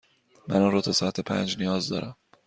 من آن را تا ساعت پنج نیاز دارم.